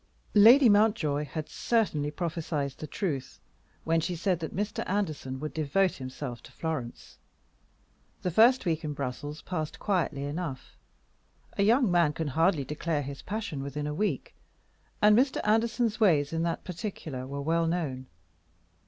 Lady Mountjoy had certainly prophesied the truth when she said that Mr. Anderson would devote himself to Florence. The first week in Brussels passed by quietly enough. A young man can hardly declare his passion within a week, and Mr. Anderson's ways in that particular were well known.